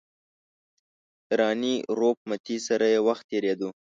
د راني روپ متي سره یې وخت تېرېدو.